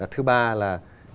thứ ba là